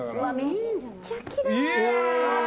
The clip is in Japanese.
めっちゃきれい！